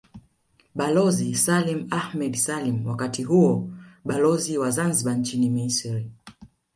Balozi Salim Ahmed Salim wakati huo Balozi wa Zanzibar nchini Misri